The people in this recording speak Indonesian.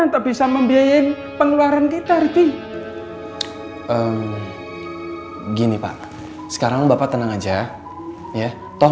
untuk bisa membiayai pengeluaran kita rizky gini pak sekarang bapak tenang aja ya toh